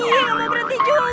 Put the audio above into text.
iya kamu berhenti juga